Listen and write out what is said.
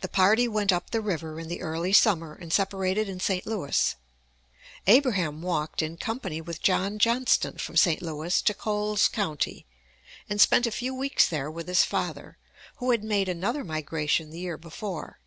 The party went up the river in the early summer and separated in St. Louis. Abraham walked in company with John Johnston from St. Louis to Coles County, and spent a few weeks there with his father, who had made another migration the year before.